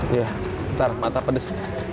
ya ntar mata pedes